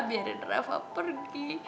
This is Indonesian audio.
biarin refah pergi